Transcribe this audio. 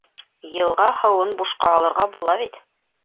Йылға һыуын бушҡа алырға була бит!